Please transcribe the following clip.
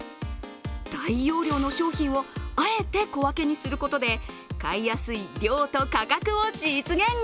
大容量の商品をあえて小分けにすることで買いやすい量と価格を実現。